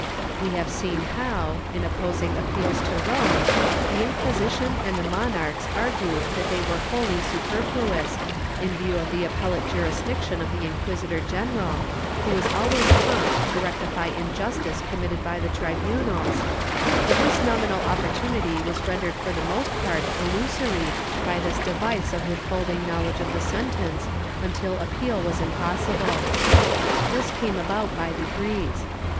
We have seen how, in opposing appeals to Rome, the Inquisition and the monarchs argued that they were wholly superfluous, in view of the appellate jurisdiction of the inquisitor general, who was always prompt to rectify injustice committed by the tribunals, but this nominal opportunity was rendered for the most part illusory by this device of withholding knowledge of the sentence until appeal was impossible. This came about by degrees.